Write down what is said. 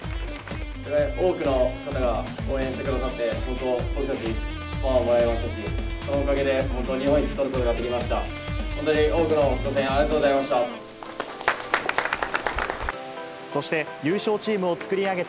多くの方が応援してくださって、本当、僕たち、パワーをもらえましたし、そのおかげで本当、日本一を取ることができました。